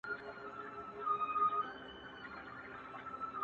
اوس ماشومان له تاریخونو سره لوبي کوي.!